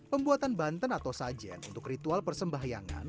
pembuatan banten atau sajen untuk ritual persembahyangan